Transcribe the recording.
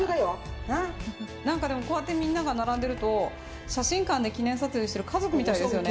なんかでも、こうやってみんなが並んでいると、写真館で記念撮影してる家族みたいですよね。